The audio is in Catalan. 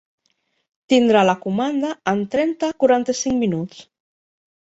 Tindrà la comanda en trenta-quaranta-cinc minuts.